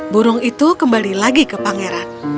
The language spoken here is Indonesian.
burung itu kembali lagi ke pangeran